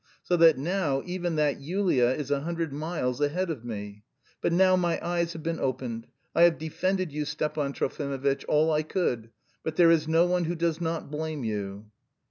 So that now even that Yulia is a hundred miles ahead of me. But now my eyes have been opened. I have defended you, Stepan Trofimovitch, all I could, but there is no one who does not blame you."